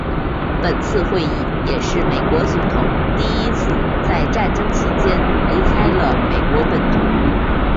本次会议也是美国总统第一次在战争期间离开了美国本土。